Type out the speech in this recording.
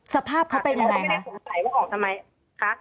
สภาพเขาเป็นยังไงค่ะ